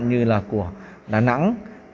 như là của đà nẵng